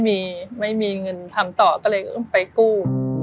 ไม่มีเงินทำต่อก็เลยก็ไปกู้